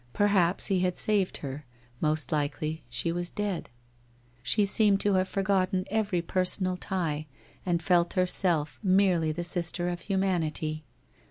Perhaps he had saved her, most likely she was dead? She seemed to have forgotten every personal tie, and felt herself merely the sister of humanity.